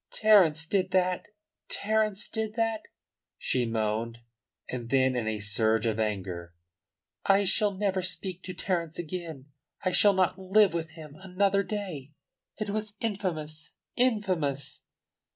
"Terence did that! Terence did that!" she moaned. And then in a surge of anger: "I shall never speak to Terence again. I shall not live with him another day. It was infamous! Infamous!"